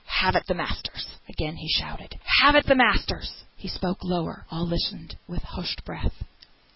Have at the masters!" Again he shouted, "Have at the masters!" He spoke lower; all listened with hushed breath.